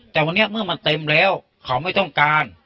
แต่วันนี้เมื่อมันเต็มแล้วเขาไม่ต้องการ